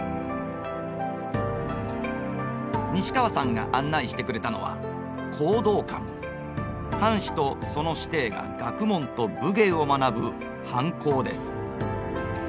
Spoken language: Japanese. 西川さんが案内してくれたのは藩士とその師弟が学問と武芸を学ぶ藩校です。